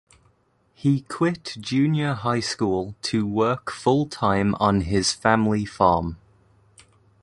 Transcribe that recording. He quit junior high school to work full-time on his family farm.